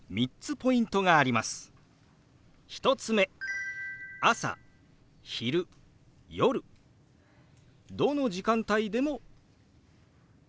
１つ目朝・昼・夜どの時間帯でも使えます。